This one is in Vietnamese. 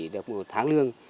được một tháng lương